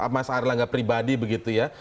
mas erlangga pribadi begitu ya